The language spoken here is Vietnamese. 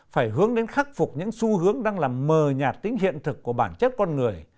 phải hướng đến khắc phục những xu hướng đang làm mờ nhạt tính hiện thực của bản chất con người